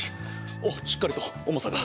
おっしっかりと重さが。